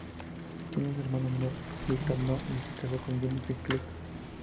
Tiene un hermano menor, Victor North, y esta casado con Jennifer Klug.